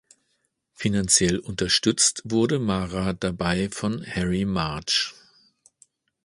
Finanziell unterstützt wurde Mara dabei von Harry March.